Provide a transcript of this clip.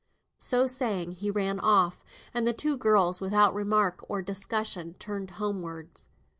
So saying, he ran off; and the two girls, without remark or discussion, turned homewards.